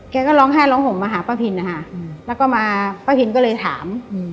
แกก็ร้องไห้ร้องห่มมาหาป้าพินนะคะแล้วก็มาป้าพินก็เลยถาม